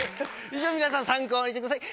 以上、皆さん参考にしてください。